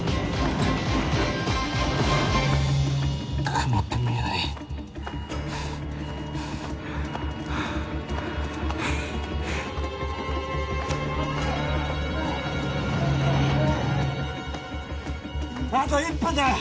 曇って見えないあと１分だ！